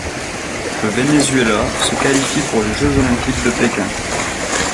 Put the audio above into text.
Le Venezuela se qualifie pour les Jeux olympiques de Pékin.